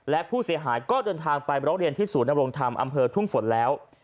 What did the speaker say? และผู้เสียหายก็เดินทางไปบริโรคเรียนที่ศูนย์อำเภอทุ่งฝนแล้ว